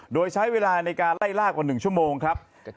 โดยใช้เวลาในการไล่ลากกว่า๑ชั่วโมงครับ